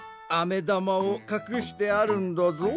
めだまをかくしてあるんだぞ。